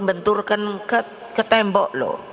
benturkan ke tembok loh